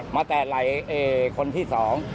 มาแตดไหลคนที่๒